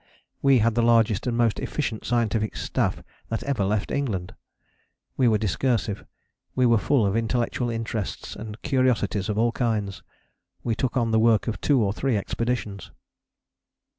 We had the largest and most efficient scientific staff that ever left England. We were discursive. We were full of intellectual interests and curiosities of all kinds. We took on the work of two or three expeditions.